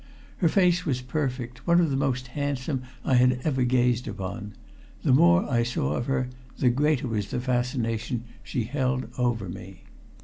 Her face was perfect, one of the most handsome I had ever gazed upon. The more I saw of her the greater was the fascination she held over me.